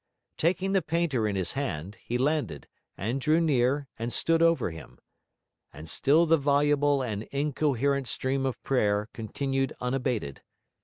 Taking the painter in his hand, he landed, and drew near, and stood over him. And still the voluble and incoherent stream of prayer continued unabated.